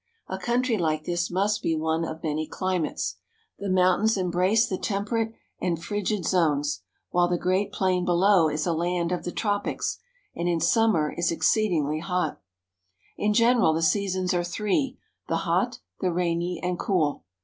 A country like this must be one of many climates. The mountains embrace the temperate and frigid zones, 234 GENERAL VIEW OF INDIA while the great plain below is a land of the tropics, and in summer is exceedingly hot. In general the seasons are three — the hot, the rainy, and cool.